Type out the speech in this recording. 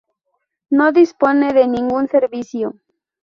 No dispone de ningún servicio.